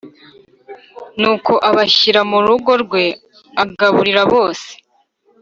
Nuko abashyira mu rugo rwe agaburira bose